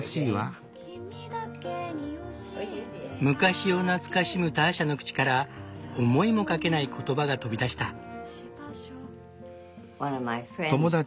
昔を懐かしむターシャの口から思いもかけない言葉が飛び出した。